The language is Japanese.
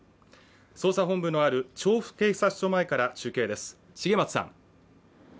捜査本部のある調布警察署前から中継です